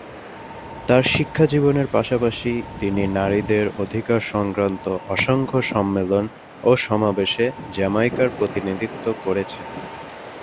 তার শিক্ষাজীবনের পাশাপাশি, তিনি নারীদের অধিকার সংক্রান্ত অসংখ্য সম্মেলন ও সমাবেশে জ্যামাইকার প্রতিনিধিত্ব করেছেন।